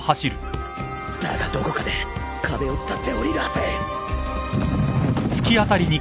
だがどこかで壁を伝って下りるはず